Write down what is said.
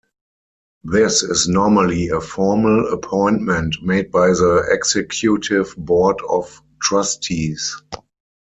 This is normally a formal appointment made by the executive board of trustees.